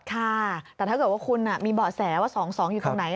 ค่ะแต่ถ้าเกิดว่าคุณมีเบาะแสว่า๒๒อยู่ตรงไหน